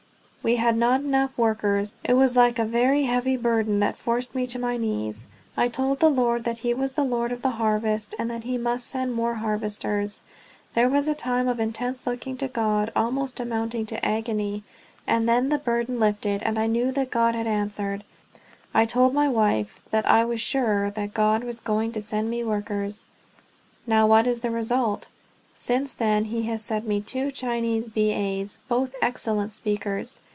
We had not enough workers. It was like a very heavy burden that forced me to my knees. I told the Lord that he was the Lord of the harvest, and that he must send more harvesters. There was a time of intense looking to God, almost amounting to agony, and then the burden lifted, and I knew that God had answered. I told my wife that I was sure that God was going to send me workers. "Now what is the result? Since then he has sent me two Chinese B.A.'s, both excellent speakers.